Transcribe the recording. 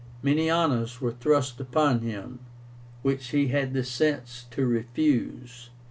Many honors were thrust upon him, which he had the sense to refuse.